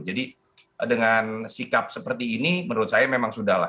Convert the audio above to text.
jadi dengan sikap seperti ini menurut saya memang sudah lah